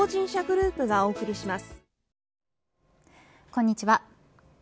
こんにちは。